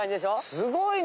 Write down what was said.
すごいね。